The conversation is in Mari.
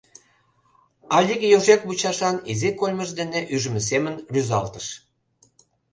— Алик йожек мучашан изи кольмыж дене ӱжмӧ семын рӱзалтыш.